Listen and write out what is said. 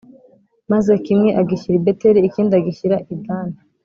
Maze kimwe agishyira i Beteli, ikindi agishyira i Dani